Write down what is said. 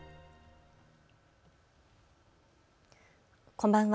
こんばんは。